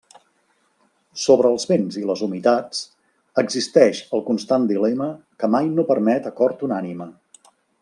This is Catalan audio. Sobre els vents i les humitats existeix el constant dilema que mai no permet acord unànime.